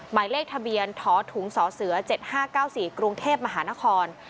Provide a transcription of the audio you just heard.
หมายเลขทะเบียนถอดถุงสอเสือเจ็ดห้าเก้าสี่กรุงเทพมหานคร